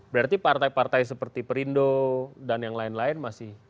berarti partai partai seperti perindo dan yang lain lain masih